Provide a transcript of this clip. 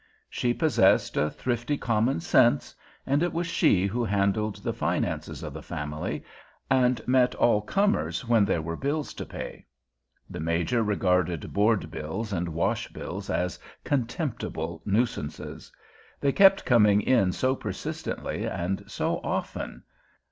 She possessed a thrifty common sense, and it was she who handled the finances of the family, and met all comers when there were bills to pay. The Major regarded board bills and wash bills as contemptible nuisances. They kept coming in so persistently and so often.